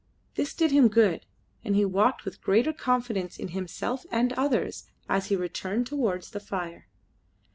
This did him good, and he walked with greater confidence in himself and others as he returned towards the fire.